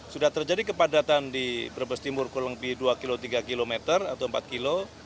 sudah terjadi kepadatan di brebes timur kurang lebih dua kilo tiga km atau empat kilo